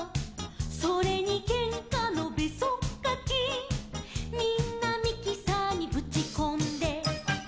「それにけんかのべそっかき」「みんなミキサーにぶちこんで」